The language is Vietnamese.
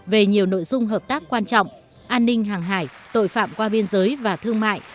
về nhiều nội dung hợp tác quan trọng an ninh hàng hải tội phạm qua biên giới và thương mại